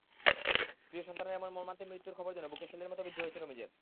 প্রিয় সন্তানের এমন মর্মান্তিক মৃত্যুর খবর যেন বুকে শেলের মতো বিদ্ধ হয়েছে রমিজের।